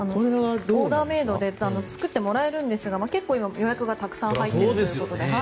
オーダーメードで作ってもらえるんですが結構、今予約がたくさん入っているということで。